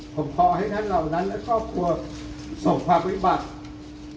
ผมขอให้ท่านเหล่านั้นและครอบครัวส่งความวิบัติ